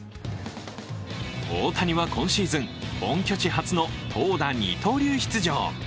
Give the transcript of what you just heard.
大谷は今シーズン、本拠地初の投打二刀流出場。